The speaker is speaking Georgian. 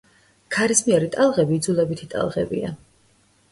ქარისმიერი ტალღები იძულებითი ტალღებია.